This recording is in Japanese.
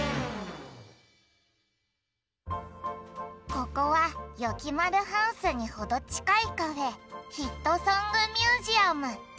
ここはよきまるハウスにほどちかいカフェ「ヒットソング・ミュージアム」。